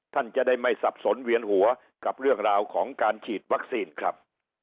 ท่านจะได้ไม่สับสนเวียนหัวกับเรื่องราวของการฉีดวัคซีนครับ